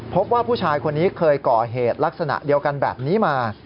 พบว่าผู้ชายคนนี้เคยก่อเหตุลักษณะเดียวกันแบบนี้มา